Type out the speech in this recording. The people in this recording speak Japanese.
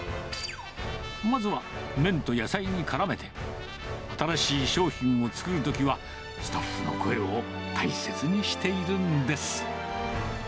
まずは麺と野菜にからめて、新しい商品を作るときは、スタッフの声を大切にしているんです。